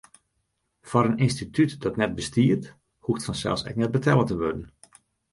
Foar in ynstitút dat net bestiet, hoecht fansels ek net betelle te wurden.